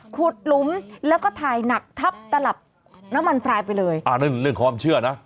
หลุมแล้วก็ถ่ายหนักทับตลับน้ำมันพลายไปเลยอ่านั่นเรื่องความเชื่อนะ